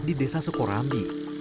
di desa soekorambi